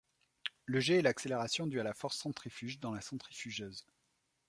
Le ‘’g’’ est l’accélération due à la force centrifuge dans la centrifugeuse.